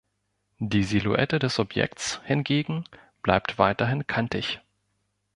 Die Silhouette des Objekts hingegen bleibt weiterhin kantig.